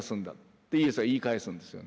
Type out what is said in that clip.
ってイエスは言い返すんですよ。